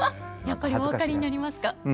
やっぱりお分かりになりますか？